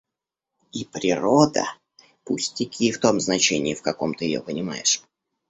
И природа пустяки в том значении, в каком ты ее понимаешь.